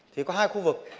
thì có hai khu vực